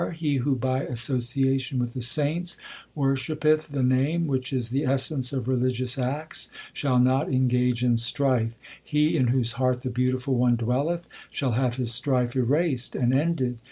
He who by association with the saints worshippeth the Name, Which is the essence of religious acts, shall not engage in strife. He in whose heart the Beautiful One dwelleth, Shall have his strife erased and ended.